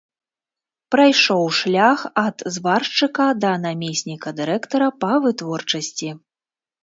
Прайшоў шлях ад зваршчыка да намесніка дырэктара па вытворчасці.